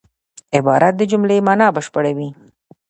عبارت د جملې مانا بشپړوي.